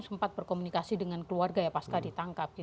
sempat berkomunikasi dengan keluarga ya pasca ditangkap